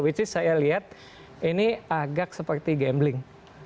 which is saya lihat ini agak seperti gambling